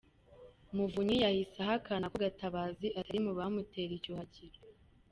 Muvunyi yahise ahakaba ko Gatabazi atari mu bamutera icyuhagiro.